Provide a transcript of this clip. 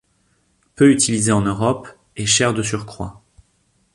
Peu utilisée en Europe, et chère de surcroît.